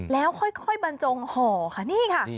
แล้วค่อยบางโจมบทห่อนี่ค่ะ